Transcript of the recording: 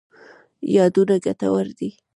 یادونه ګټور دي.